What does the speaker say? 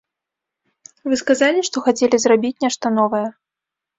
Вы сказалі, што хацелі зрабіць нешта новае.